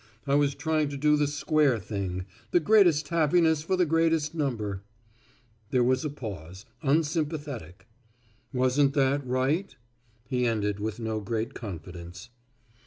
I was trying to do the square thing the greatest happiness for the greatest number." There was a pause, unsympathetic. "Wasn't that right?" he ended with no great confidence.